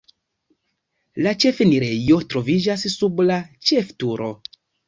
La ĉefenirejo troviĝas sub la ĉefturo.